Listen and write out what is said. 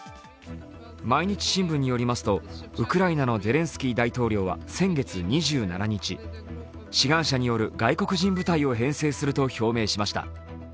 毎日新聞によりますとウクライナのゼレンスキー大統領は先月２７日、志願者による外国人部隊を編成すると表明しました。